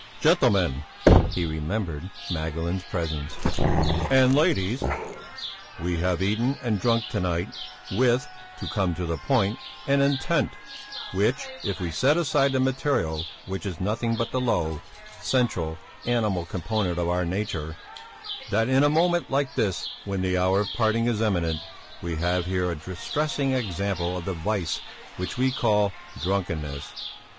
"Gentlemen," he remembered Magdalene's presence "and ladies! We have eaten and drunk to night with to come to the point an intent which, if we set aside the material which is nothing but the low, sensual animal component of our nature that in a moment like this when the hour of parting is imminent we have here a distressing example of the vice which we call drunkenness!